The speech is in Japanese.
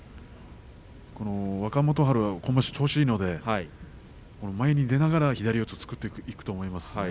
若元春は今場所調子がいいので前に出ながら左四つを作っていくと思います。